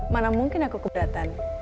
mana mungkin aku keberatan